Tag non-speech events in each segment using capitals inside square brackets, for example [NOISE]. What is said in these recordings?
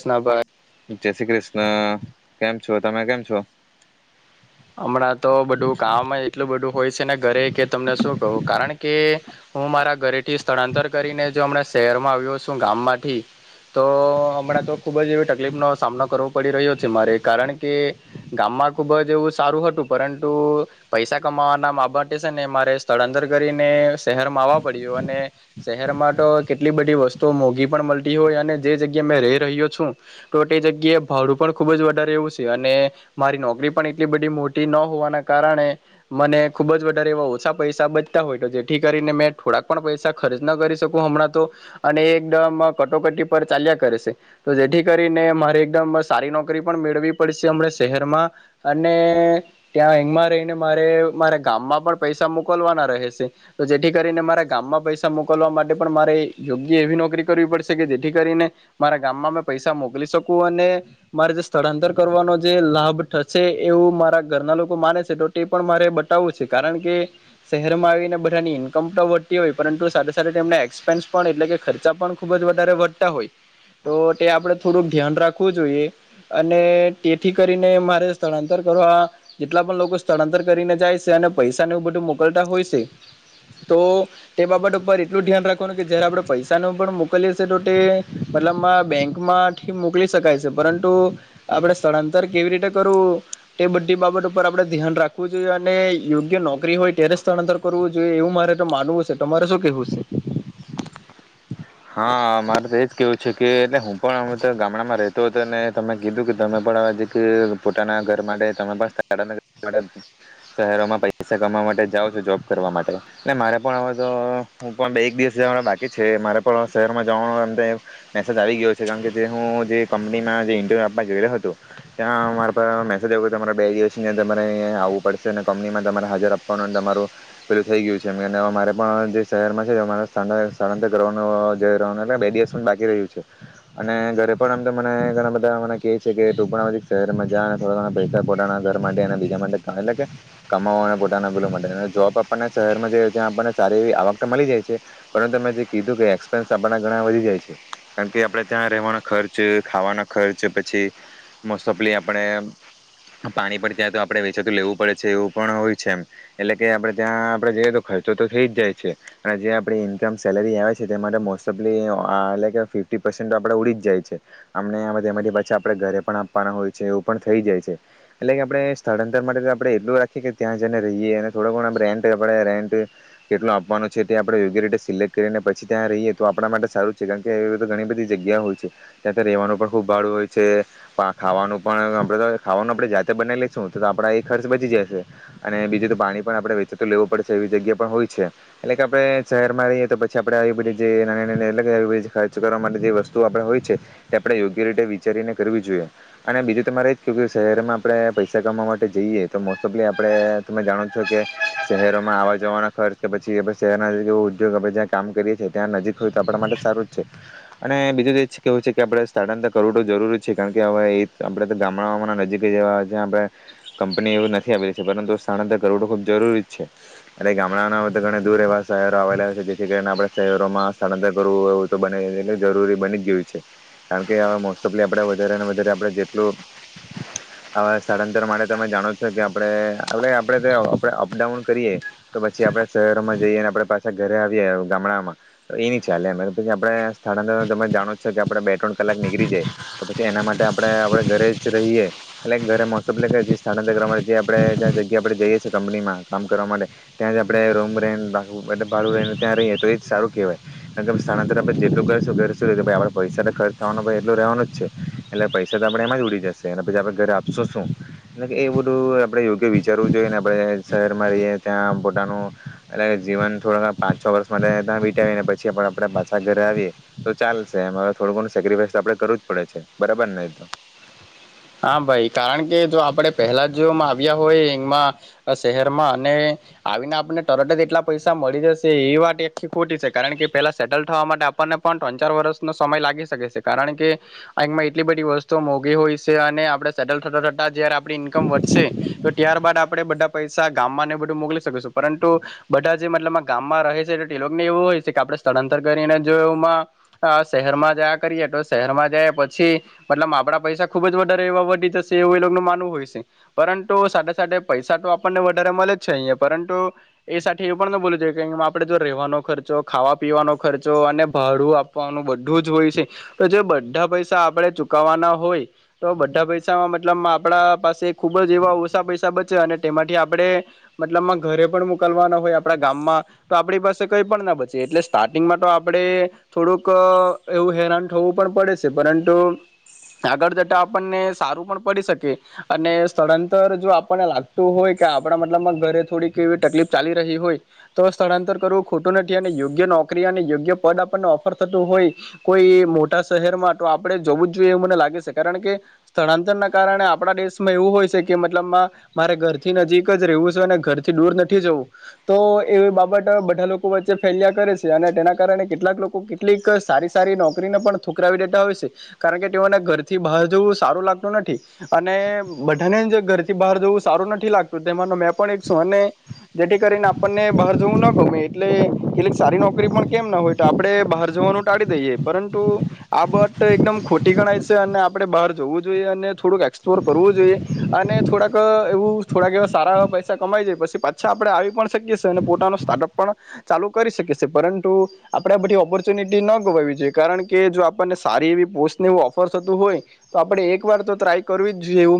કૃષ્ણ ભાઈ જય શ્રી કૃષ્ણ કેમ છો તમે કેમ છો હમણાં તો બધું કામ એટલું બધું હોય છે, ને ઘરે કે તમને શું કહું કારણ કે હું મારા ઘરેથી સ્થળાંતર કરીને જો હમણા શહેરમાં આવ્યો છું, ગામમાંથી તો હમણાં તો ખુબ જ એવી [UNINTELLIGIBLE] સામનો કરવો પડી રહ્યો છે, મારે કારણ કે ગામમાં ખુબ જ એવું સારું હતું પરંતુ પૈસા કમાવાના [UNINTELLIGIBLE] છે, ને મારે સ્થળાંતર કરીને શહેરમાં આવવા પડ્યું અને શહેરમાં તો કેટલી બધી વસ્તુઓ મોઘી પણ મળતી હોય અને જે જગ્યાએ મેં રહી રહ્યો છું તો તે જગ્યાએ ભાડું પણ ખૂબ જ વધારે એવું છે, અને મારી નોકરી પણ એટલી બધી મોટી ન હોવાના કારણે મને ખુબ જ વધારે એવા ઓછા પૈસા બચતા હોય તો જેથી કરીને મેં થોડાક પણ પૈસા ખર્ચ ન કરી શકું હમણાં તો અને એ એકદમ કટોકટી પર ચાલ્યા કરે છે, તો જેથી કરીને મારે એકદમ સારી નોકરી પણ મેળવી પડશે હમણાં શહેરમાં. અને ત્યાં [UNINTELLIGIBLE] રહીને મારે મારા ગામમાં પણ પૈસા મોકલવાના રહે છે, તો જેથી કરીને મારા ગામમાં પૈસા મોકલવા માટે પણ મારે યોગ્ય એવી નોકરી કરવી પડશે કે જેથી કરીને મારા ગામમાં પૈસા મોકલી શકું અને મારે જે સ્થળાંતર કરવાનો જે લાભ થ છે, એવું મારા ઘરના લોકો માને છે, તો તે પણ મારે બતાવવું છે, કારણ કે શહેરમાં આવીને બધાની ઈન્કમ તો વધતી હોય પરંતુ સાથે સાથે તેમના એક્સપેન્સ પણ એટલે કે ખર્ચા પણ ખૂબ જ વધારે વધતા હોય તો તે આપણે થોડુંક ધ્યાન રાખવું જોઈએ અને તેથી કરીને મારે સ્થળાંતર કરવા જેટલા પણ લોકો સ્થળાંતર કરીને જાય સે અને પૈસાને એવું બધું મોકલતા હોય સે તો તે બાબત ઉપર એટલું ધ્યાન રાખવાનું તે બધી બાબત ઉપર આપડે ધ્યાન રાખવું જોઈએ અને યોગ્ય નોકરી હોય ત્યારે સ્થળાંતર કરવું જોઈએ એવું મારે તો માનવું સે તમારે શું કેવું સે? હા મારે તો એજ કેવું છે, કે એટલે હું પણ હમે તો ગામડામાં રહેતો હતો ને તમે કીધું કે તમે પણ [UNINTELLIGIBLE] પોતાના ઘર માટે તમે [UNINTELLIGIBLE] શહેરોમાં પૈસા કમાવા માટે જાઓ છો જોબ કરવા માટે ને મારે પણ હવે તો હું પણ બે એક દિવસ જેવા બાકી છે, મારે પણ શહેરમાં જવાનો એમ તો મેસેજ આવી ગયો છે, કારણ કે જે હું જે કંપનીમાં જે ઇન્ટરવ્યૂ આપવા ગયેલો હતો ત્યાં મારા પર મેસેજ આવ્યો તમારે બે દિવસની તમારે અહીંયા આવવું પડશે અને કંપનીમાં તમારે હાજર આપવાનું તમારું પેલું થઈ ગયું છે, એમ કે મારે પણ જે શહેરમાં છે, સ્થળાંતર કરવાનું [UNINTELLIGIBLE] બે દિવસ પણ બાકી રહ્યું છે, અને ઘરે પણ આમ તો મને ઘણા બધા મને કેય છે, કે તું પણ હવે જીક શહેરમાં જા અને થોડા ઘણા પૈસા પોતાના ઘર માટે અને બીજા માટે એટલે કે કમાવો અને પોતાના પેલું માટે જોબ આપણને શહેરમાં જ્યાં આપણને સારી એવી આવક મળી જાય છે, પરંતુ મેં જીક કીધું કે એક્સપેન્સ આપણા ઘણા વધી જાય છે, કારણ કે આપણેે ત્યાં રહેવાનો ખર્ચ ખાવાનો ખર્ચ પછી મોસ્ટ ઓફલી આપણે પાણી પર ત્યાં તો આપણેે વેચાતું લેવું પડે છે, એવું પણ હોય છે, એમ એટલે કે આપણે ત્યાં આપણેે જઈએ તો ખર્ચો તો થઈ જ જાય છે અને જે આપણી ઇન્કમ સે લેરી આવે છે, તેમાં તો મોસ્ટફલી આ એટલેકે ફિફ્ટી પર્સન તો આપણે ઉડી જ જાય છે, આમને તેમાંથી પાછા આપણે ઘરે પણ આપવાના હોય છે એવું પણ થઈ જાય છે એટલે કે આપણે સ્થળાંતર માટે આપણે એટલું રાખીએ કે ત્યાં જને રહીએ અને થોડો ઘણ રે આપણે રેન્ટ [UNINTELLIGIBLE] કેટલો આપવાનો છે, તે આપણે યોગ્ય રીતે સિલેક્ટ કરીને પછી ત્યાં રહીએ તો આપણા માટે સારું છે, કારણ કે એવી ઘણી બધી જગ્યા હોય છે, ત્યાં ત્યાં આપણે આવી બધી જે નાની નાની અલગ આવી બધી ખર્ચ કરવા માટે જે વસ્તુ આપણે હોય છે, તે આપણે યોગ્ય રીતે વિચારીને કરવી જોઈએ અને બીજું તમારે એ જ ક શહેરમાં આપણે પૈસા કમાવા માટે જઈએ તો મોસ્ટ ઓફલી આપણે તમે જાણો જ છો કે શહેરોમાં આવા જવાનો ખર્ચ કે પછી [UNINTELLIGIBLE] કામ કરીએ છીએ ત્યાં નજીક હોય તો આપણા માટે સારું જ છે અને બીજું તો છે, એ કેવું છે, કે આપણે સ્થળાંતર કરવુ તો જરૂરી છે કારણ કે આપણે શહેરોમાં સ્થળાંતર કરવું એવું તો બને એટલું જરૂરી બની જ ગયું છે, કારણ કે હવે મોસ્ટ ઓફલી આપણે વધારેને વધારે આપણે જેટલું ગામડામાં તો એની ચાલે પછી આપે સ્થળાંતર તમે જાણો છો કે આપે બે ત્રણ કલાક નીકળી જાય તો પછી એના માટે આપડે આપડે ઘરે જ રહીએ એટલે ઘરે મોસ ટોફલી જે સ્થળાંતર કરવા જે આપણે [UNINTELLIGIBLE] ત્યાં રહીએ તો એ જ સારું કહેવાય [UNINTELLIGIBLE] સ્થળાંતર આપણે જેટલું કરશું ઘરે શું આપડે પૈસાને ખર્ચ થવાનો એટલો રહેવાનો જ છે, એટલે પૈસા તો આપણે એમાં જ ઉડી જશે એલે પછી આપણે ઘરે આપશો શું એટલે કે એ બધું આપણે યોગ્ય વિચારવું જોઈએ ને આપણે શહેરમાં રહીએ ત્યાં પોતાનું એટલે જીવન થોડા છ વર્ષ માટે તા વીતાવીએ ને પછી પણ આપણે પાછા ઘરે આવીએ [INAUDIBLE] હા ભાઈ કારણ કે જો આપણે પહેલા જોમ આવ્યા હોય એમાં શહેરમાં અને આવીને આપને [UNINTELLIGIBLE] જ એટલા પૈસા મળી જશે એ વાત એ ખોટી છે, કારણ કે પેલા સેટલ થવા માટે આપણને પણ ત્રણ ચાર વર્ષનો સમય લાગી શકે છે, કારણ કે [UNINTELLIGIBLE] એટલી બધી વસ્તુઓ મોઘી હોય છે, અને આપડે સેટલ [UNINTELLIGIBLE] થતા જ આપડી ઇન્કમ વધશે તો ત્યારબદ આપણેે બધા પૈસા ગામમાં ને બધું મોકલી શકીશું પરંતુ બધા જે મતલબ ગામમાં રહે છે, એ લોકોને એવું હોય છે, કે આપડે સ્થળાંતર કરીને જો એમાં શહેરમાં જાયા કરીએ તો શહેરમાં જયા પછી મતલબ આપડા પૈસા ખુબ જ વધારે એવા વધી જશે એવું એનું માનવું હોય સે પરંતુ સાથે સાથે પૈસા તો આપણને વધારે મલે જ છે, [UNINTELLIGIBLE] પરંતુ એ સાથે એવું પણ ન [UNINTELLIGIBLE] જોઈએ કે આપણેે જો રહેવાનો ખર્ચો ખાવા પીવાનો ખર્ચો અને ભાડું આપવાનું બધું જ હોય છે, તો જે બધા પૈસા આપણે ચુકવ તો બધા પૈસામાં મતલબ આપણા પાસે ખુબ જ એવા ઓસા પૈસા બચે અને તેમાંથી આપણે મતલબમાં [UNINTELLIGIBLE] તા આપણને સારું પણ પડી શકે અને સ્થળાંતર જો આપણને લાગતું હોય કે આપણા મતલબમાં ઘરે થોડીક [INAUDIBLE] કારણ કે સ્થળાંતર ના કારણે આપણા દેશમાં એવું હોય સે કે મતલબમાં મારે ઘરથી નજીક જ રેવું [UNINTELLIGIBLE] થી બહાર જવું સારું લાગતું નથી અને બધાને જ ઘરથી બહાર જવું સારું [INAUDIBLE] અને આપણે બહાર જોવું જોઈએ અને [UNINTELLIGIBLE] થતું હોય તો આપણે એક વાર તો ટ્રાય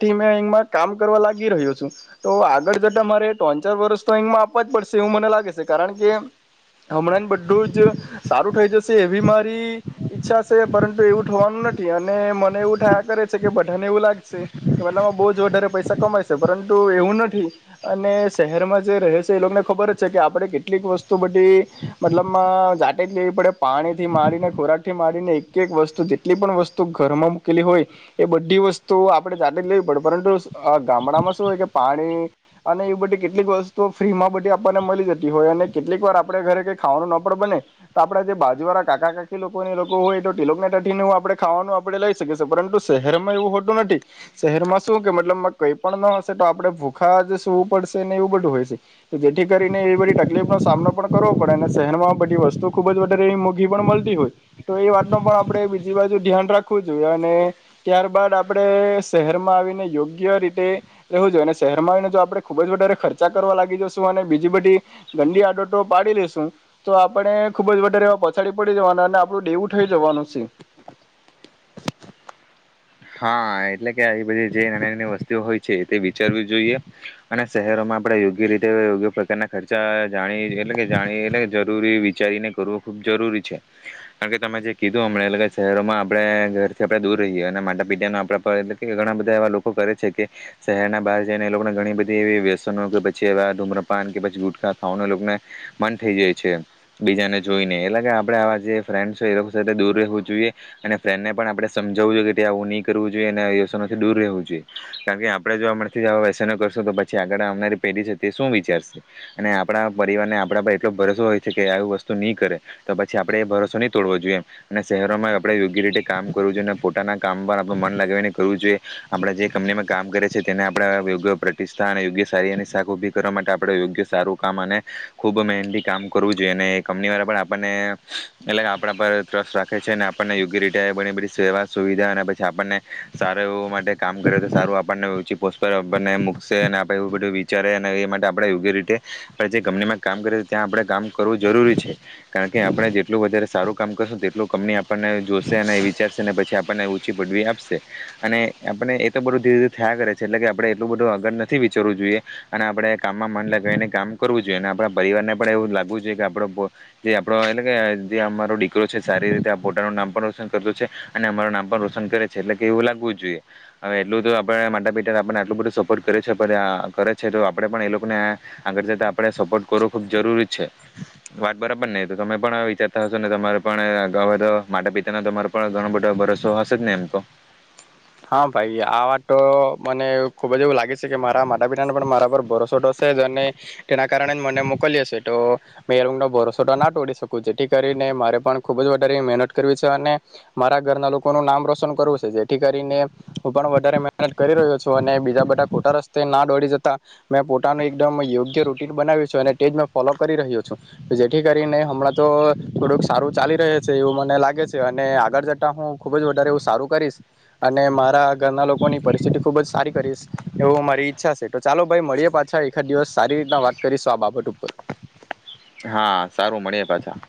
[INAUDIBLE] થી અહીંમાં કામ કરવા લાગી રહ્યો છું [INAUDIBLE] મતલબમાં બોજ જ [UNINTELLIGIBLE] જાતેજ જ લેવી પડે પરંતુ ગામડામાં શું હોય કે પા [UNINTELLIGIBLE] શહેરમાં શું કે મતલબ કઈ [UNINTELLIGIBLE] જેથી કરીને એવી બધી તકલીફ સામનો પણ કરવો પડે અને શહેરમાં બધી વસ્તુ ખૂબ જ વધારે એવી મોઘી [UNINTELLIGIBLE] શહેર માં આવીને યોગ્ય રી [UNINTELLIGIBLE] હા એ આવી બધી જે નાની નાની વસ્તુ હોય છે, તે વિચારવી જોઈએ [INAUDIBLE] [INAUDIBLE] વિચારીને કરવું ખૂબ જરૂરી છે. [INAUDIBLE] [UNINTELLIGIBLE] કરવું જોઈએ અને વ્યસનોથી દૂર મન લગાવીને કરવું જોઈએ આપણે જે કંપનીમાં કામ કરે છે, તેને આપણે આપણને [UNINTELLIGIBLE] આપશે અને આપને એ તો [UNINTELLIGIBLE] એટલે કે એવું લાગવું જ જોઈએ હવે એટલું તો આપડ માતા પિતા આપણને આટલું બધું સપોર્ટ કરે છે, કરે છે તો આપણેે પણ એ લોકોને આગળ જતા આપણે સપોર્ટ કરવો ખુબ જરૂરી છે, વાત બરાબર ને તો તમે પણ વિચારતા હશો ને તમારે પણા તો માતા પિતા તમારો પણ ઘણો બધો ભરોસો [UNINTELLIGIBLE] ને [UNINTELLIGIBLE] તો. હા ભાઈ આ વાત તો મને ખુબ જ એવું લાગે શે કે મારા માતા પિતાને પણ મારા પર [UNINTELLIGIBLE] સેજ અને તેના કારણે જ મને મોકલીયો શે તો મે એનો [UNINTELLIGIBLE] ના તોડી શકું જેથી કરીને મારે પણ ખુબ જ વધારે મહેનત કરવી છે, અને મારા ઘરના લોકોનું નામ રોશન કરવું છે, જેથી કરી ને હું પણ વધારે મહેનત કરી રહ્યો છું, અને બીજા બધા ખોટા રસ્તે ના દોડી જતા મેં પોતાનું એકદમ યોગ્ય [UNINTELLIGIBLE] બનાવ્યું છું, અને તે જ મેં ફોલો કરી રહ્યો છું, જેથી કરીને હમણાં તો અ થોડુંક સારું ચાલી રહે છે, એવું મને લાગે છે, અને આગળ જતા હું ખુબ જ વધારે એવું સારું કરીશ. અને મારા ઘરના લોકોની પરિસ્થિતિ ખુબ જ સારી કરીશ એવું મારી ઈચ્છા છે, તો ચાલો ભાઈ મળીએ પાછા એકાદ દિવસ સારી રીતના વાત કરીશું આ બાબત ઉપર. હા સારું મળીએ પાછા.